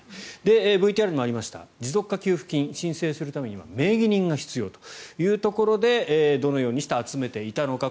ＶＴＲにもありました持続化給付金、申請するためには名義人が必要というところでどのようにして集めていたのか。